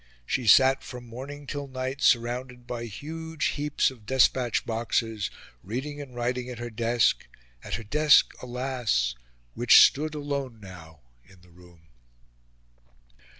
She sat from morning till night surrounded by huge heaps of despatch boxes, reading and writing at her desk at her desk, alas! which stood alone now in the room.